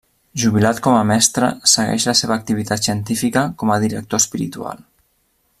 Jubilat com a mestre, segueix la seva activitat científica i com a director espiritual.